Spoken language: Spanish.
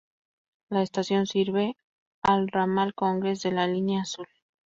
La estación sirve al ramal Congress de la línea Azul.